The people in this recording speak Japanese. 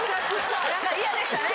なんか嫌でしたね。